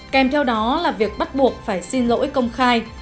kèm theo đó là việc bắt buộc phải xin lỗi công khai